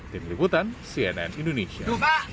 tim liputan cnn indonesia